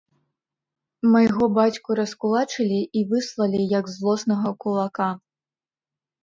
Майго бацьку раскулачылі і выслалі, як злоснага кулака.